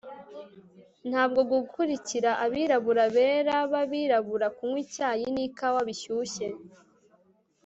ntabwo ngukurikira abirabura-bera b'abirabura kunywa icyayi n'ikawa bishyushye